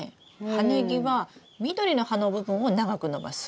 葉ネギは緑の葉の部分を長く伸ばす。